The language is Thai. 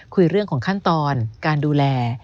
คุยเรื่องของขั้นตอนการดูแล